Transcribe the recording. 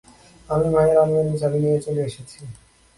আমি মায়ের আলমারির চাবি নিয়ে চলে এসেছি।